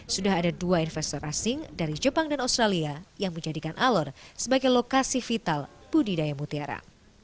sudah ada dua investor asing dari jepang dan australia yang menjadikan alor sebagai lokasi vital budidaya mutiara